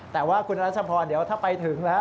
แต่ว่าคุณรัชพรเดี๋ยวถ้าไปถึงแล้ว